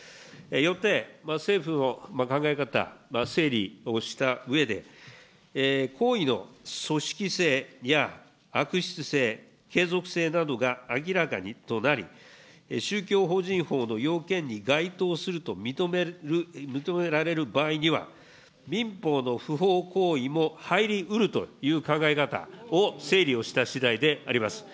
よって、政府の考え方、整理をしたうえで、行為の組織性や悪質性、継続性などが明らかとなり、宗教法人法の要件に該当すると認められる場合には、民法の不法行為も入りうるという考え方を整理をしたしだいであります。